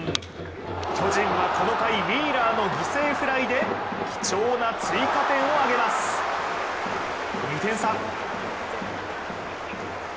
巨人はこの回、ウィーラーの犠牲フライで貴重な追加点を挙げます、２点差。